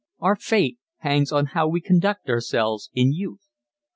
Our fate hangs on how we conduct ourselves in youth.